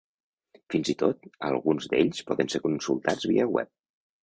Fins i tot, alguns d'ells poden ser consultats via web.